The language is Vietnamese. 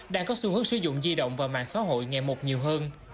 đang có xu hướng sử dụng di động và mạng xã hội ngày một nhiều hơn